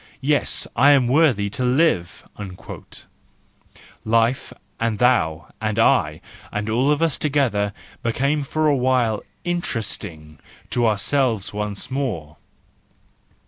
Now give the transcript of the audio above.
yes, I am worthy to live! "—life, and thou, and I, and all of us together became for a while interest¬ ing to ourselves once more.